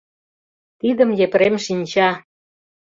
Тидым Епрем шинча.